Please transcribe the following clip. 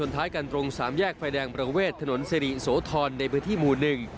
ทางถนนเสรีโสธรในพื้นที่หมู่หนึ่ง